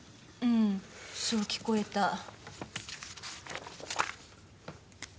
うんそう聞こえた。